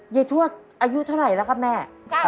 เยฑชั่วอายุเท่าไรแล้วครับแม่